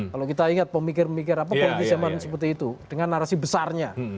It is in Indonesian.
kalau kita ingat pemikir pemikir apa koalisi zaman seperti itu dengan narasi besarnya